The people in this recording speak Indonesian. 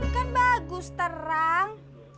kan bagus terang